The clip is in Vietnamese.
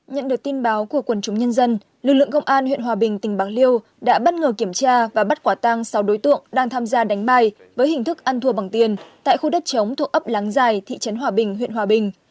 nhận được tin báo của quần chúng nhân dân lực lượng công an huyện hòa bình tỉnh bạc liêu đã bất ngờ kiểm tra và bắt quả tăng sáu đối tượng đang tham gia đánh bài với hình thức ăn thua bằng tiền tại khu đất chống thuộc ấp láng giải thị trấn hòa bình huyện hòa bình